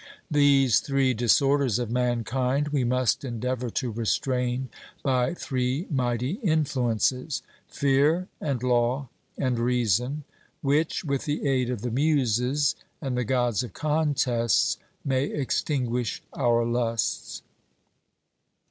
These three disorders of mankind we must endeavour to restrain by three mighty influences fear, and law, and reason, which, with the aid of the Muses and the Gods of contests, may extinguish our lusts.